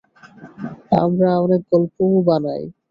আমরা অনেক গল্পও বানাই।